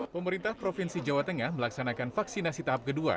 pemerintah provinsi jawa tengah melaksanakan vaksinasi tahap kedua